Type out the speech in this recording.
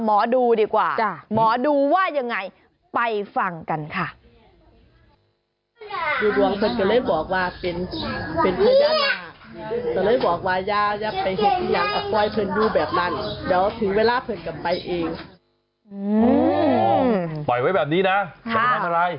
ปล่อยไว้แบบนี้นะแบบไหนอะไร